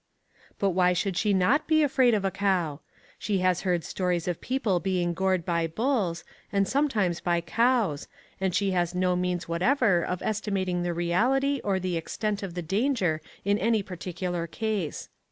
But why should she not be afraid of a cow? She has heard stories of people being gored by bulls, and sometimes by cows, and she has no means whatever of estimating the reality or the extent of the danger in any particular case.